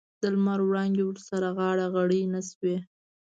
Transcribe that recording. د لمر وړانګې ورسره غاړه غړۍ نه شوې.